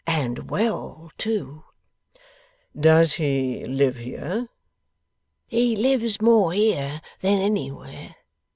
'And well too.' 'Does he live here?' 'He lives more here than anywhere.